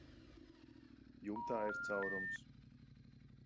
Jumtā ir caurums.